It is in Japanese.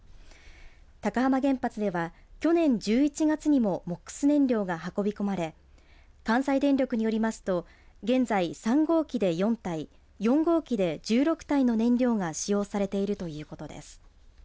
高浜原発では、去年１１月にもＭＯＸ燃料が運び込まれ関西電力によりますと、現在３号機で４体４号機で１６体の燃料が使用されているということです。